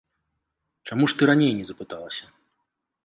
Чаму ж ты раней не запыталася?